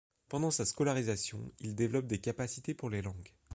Pendant sa scolarisation, il développe des capacités pour les langues.